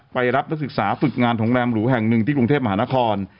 ไปรับนักศึกษาฝึกงานโรงแรมหรูแห่งหนึ่งที่กรุงเทพมหานคร